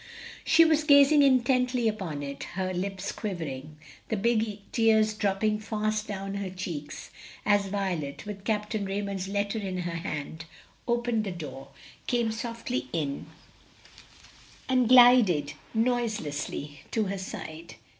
She was gazing intently upon it, her lips quivering, the big tears dropping fast down her cheeks, as Violet, with Capt. Raymond's letter in her hand, opened the door, came softly in, and glided noiselessly to her side.